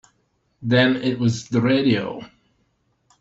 Then it was the radio.